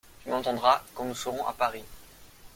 Tu m'entendras, quand nous serons à Paris.